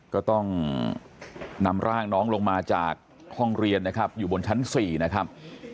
ก็ต้องนำร่างน้องลงมาจากห้องเรียนนะครับอยู่บนชั้น๔นะครับ